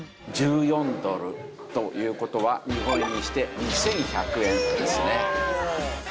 １４ドルという事は日本円にして２１００円ですね。